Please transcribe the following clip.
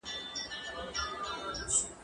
زه اوږده وخت اوبه ورکوم؟